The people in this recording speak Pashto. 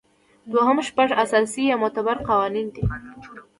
دوهم شپږ اساسي یا معتبر قوانین دي.